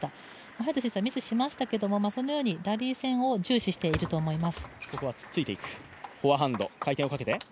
早田選手はミスしましたけれどもそのようにラリー戦を重視していると思います。